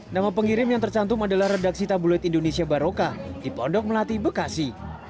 nama pengirim yang tercantum adalah redaksi tabloid indonesia baroka di pondok melati bekasi